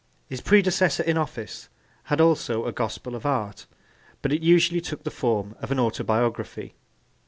His predecessor in office had also a gospel of art but it usually took the form of an autobiography.